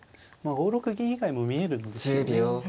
５六銀以外も見えるんですよね。